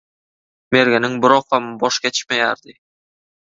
Mergeniň bir okam boş geçmýärdi